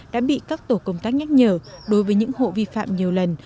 đã bị các tổ công tác nhắc nhở đối với những hộ vi phạm nhiều lần